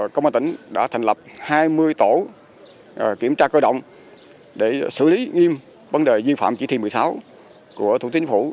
công an tỉnh đã thành lập hai mươi tổ kiểm tra cơ động để xử lý nghiêm vấn đề di phạm chỉ thị một mươi sáu của thủ tướng chính phủ